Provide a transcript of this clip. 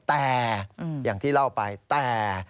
แต่อย่างที่เล่าไปแต่